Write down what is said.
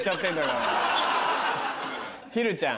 ひるちゃん。